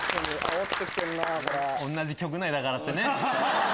同じ局内だからってね。